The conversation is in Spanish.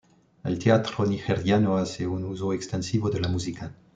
El teatro nigeriano hace un uso extensivo de la música.